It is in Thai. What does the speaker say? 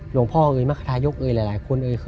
หลวงพ่อมรรคทายกหลายคน